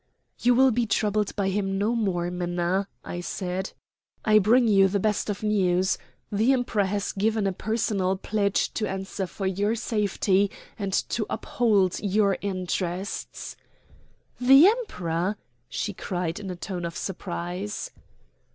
"You will be troubled by him no more, Minna," I said. "I bring you the best of news. The Emperor has given a personal pledge to answer for your safety and to uphold your interests." "The Emperor!" she cried in a tone of surprise.